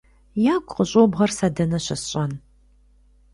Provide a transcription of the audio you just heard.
- Ягу къыщӏобгъэр сэ дэнэ щысщӏэн?